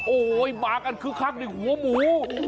โอ้ยมากันคือคักหนึ่งหัวหมู